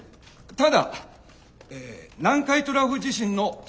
ただえ南海トラフ地震の想定